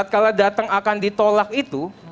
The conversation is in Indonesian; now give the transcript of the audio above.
kalau datang akan ditolak itu